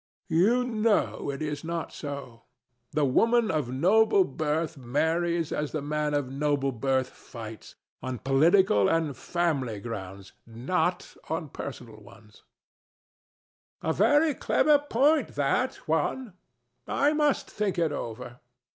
You know it is not so: the woman of noble birth marries as the man of noble birth fights, on political and family grounds, not on personal ones. THE STATUE. [impressed] A very clever point that, Juan: I must think it over.